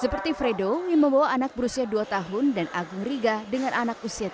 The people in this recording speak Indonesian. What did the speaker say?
seperti fredo yang membawa anak berusia dua tahun dan agung riga dengan anak usia tiga tahun